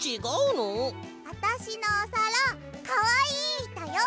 あたしのおさらかわいいだよ！